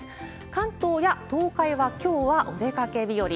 関東や東海は、きょうはおでんかけ日和。